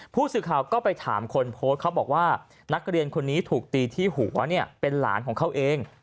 ผู้สื่อข่าวก็ไปถามคนโพสต์เขาบอกว่านักเรียนคนนี้ถูกตีที่หัวเนี่ยเป็นหลานของเขาเอง